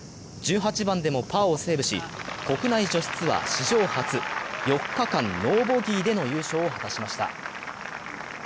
１８番でもパーをセーブし、国内女子ツアー、女子初４日間ノーボギーでの優勝を果たしました。